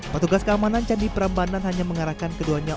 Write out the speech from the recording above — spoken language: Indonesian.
petugas keamanan candi prambanan hanya mengarahkan keduanya